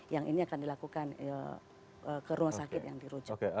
yang ini akan dilakukan ke rumah sakit yang dirujuk